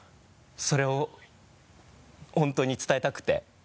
それを本当に伝えたくて。